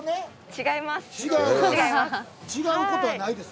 違います。